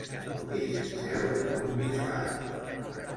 És seu d'un bisbat.